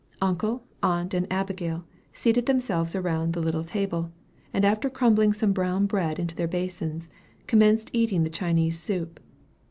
Uncle, aunt, and Abigail, seated themselves around the little table, and after crumbling some brown bread into their basins, commenced eating the Chinese soup.